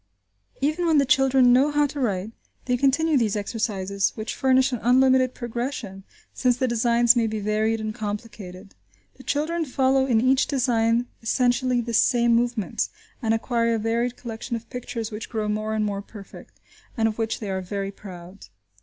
Even when the children know how to write they continue these exercises, which furnish an unlimited progression, since the designs may be varied and complicated. The children follow in each design essentially the same movements, and acquire a varied collection of pictures which grow more and more perfect, and of which they are very proud.